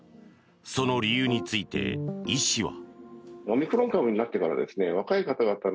その理由について医師は。